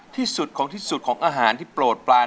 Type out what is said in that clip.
ที่สุดของที่สุดของอาหารที่โปรดปลาน